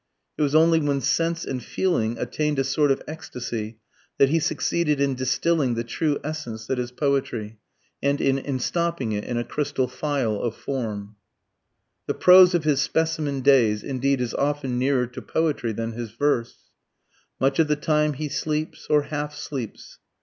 It was only when sense and feeling attained a sort of ecstasy that he succeeded in distilling the true essence that is poetry and in enstopping it in a crystal phial of form. The prose of his "Specimen Days," indeed, is often nearer to poetry than his verse: Much of the time he sleeps, or half sleeps....